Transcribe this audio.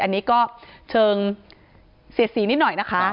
อันนี้ก็เชิงเสียดสีนิดหน่อยนะคะ